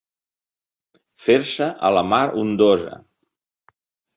Fer-se a la mar ondosa.